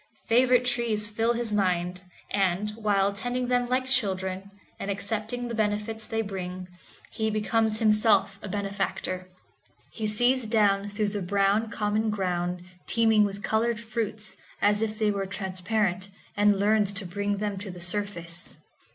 Favorite trees fill his mind, and, while tending them like children, and accepting the benefits they bring, he becomes himself a benefactor. He sees down through the brown common ground teeming with colored fruits, as if it were transparent, and learns to bring them to the surface.